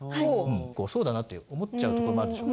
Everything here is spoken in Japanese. そうだなって思っちゃうところもあるでしょ。